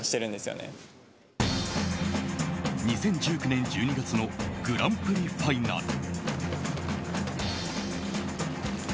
２０１９年１２月のグランプリファイナル。